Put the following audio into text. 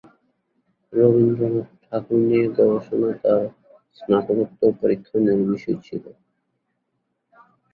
রবীন্দ্রনাথ ঠাকুর নিয়ে গবেষণা তার স্নাতকোত্তর পরীক্ষার মূল বিষয় ছিলো।